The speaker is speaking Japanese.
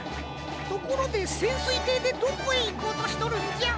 ところでせんすいていでどこへいこうとしとるんじゃ？